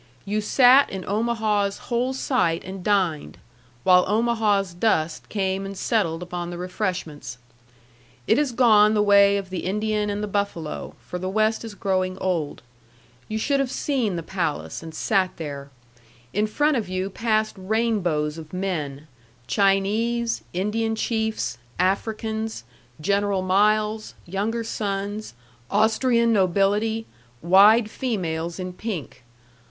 You sat in Omaha's whole sight and dined, while Omaha's dust came and settled upon the refreshments. It is gone the way of the Indian and the buffalo, for the West is growing old. You should have seen the palace and sat there. In front of you passed rainbows of men, Chinese, Indian chiefs, Africans, General Miles, younger sons, Austrian nobility, wide females in pink.